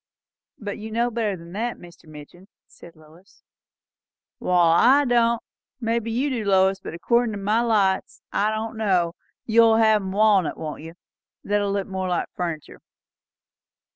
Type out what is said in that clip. "But you know better than that, Mr. Midgin," said Lois. "Wall, I don't! Maybe you do, Lois; but accordin' to my lights I don't know. You'll hev 'em walnut, won't you? that'll look more like furniture."